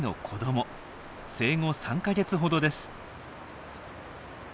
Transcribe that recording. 生後３か月ほどです。